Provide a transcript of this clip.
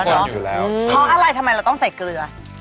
เพราะอะไรทำไมเราต้องใส่เกลือ